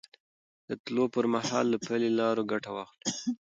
د تلو پر مهال له پلي لارو ګټه واخلئ.